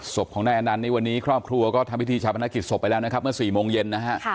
ศพของนายอนันต์นี่วันนี้ครอบครัวก็ทำพิธีชาพนักกิจศพไปแล้วนะครับเมื่อ๔โมงเย็นนะฮะ